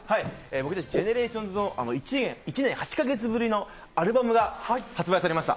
僕です、ＧＥＮＥＲＡＴＩＯＮＳの、１年８か月ぶりのアルバムが発売されました。